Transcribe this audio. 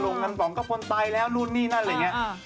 ส่วนลงตนยังว่าป๋องก็ฟนตายแล้วลุ้นนี่นั่นอะไรอย่างนี้